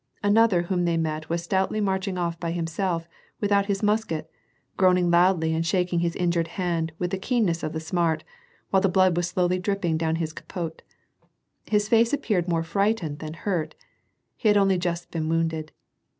Another whom they met was stoutly march ing off by himself, without his musket, groaning loudly and shaking his injured hand with the keenness of the smart, while the blood was slowly dripping down on his capote. His face appeared more frightened than hurt. He had only just been wounded.